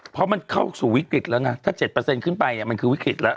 เพราะมันเข้าสู่วิกฤตแล้วนะถ้า๗ขึ้นไปเนี่ยมันคือวิกฤตแล้ว